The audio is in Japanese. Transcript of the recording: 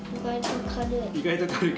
意外と軽い。